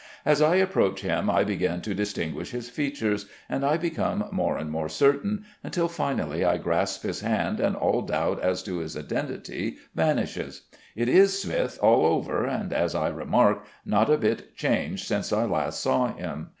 As I approach him I begin to distinguish his features, and I become more and more certain, until finally I grasp his hand and all doubt as to his identity vanishes. It is Smith all over, and, as I remark, not a bit changed since I last saw him.